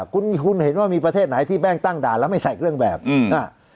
คุณคุณเห็นว่ามีประเทศไหนที่แบงค์ตั้งด่านแล้วไม่ใส่เครื่องแบบอืมอ่า